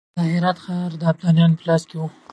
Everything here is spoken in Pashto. د هرات ښار د ابدالیانو په لاس کې و.